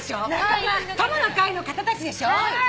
「友の会」の方たちでしょ？